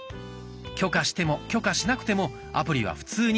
許可しても許可しなくてもアプリは普通に使えます。